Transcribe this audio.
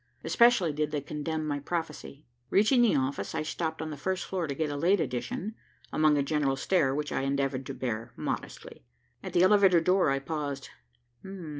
Especially did they condemn my prophecy. Reaching the office, I stopped on the first floor to get a late edition, among a general stare which I endeavored to bear modestly. At the elevator door, I paused.